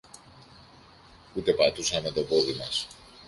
Ούτε πατούσαμε το πόδι μας